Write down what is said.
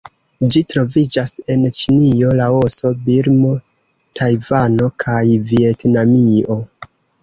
Ĝi troviĝas en Ĉinio, Laoso, Birmo, Tajvano kaj Vjetnamio.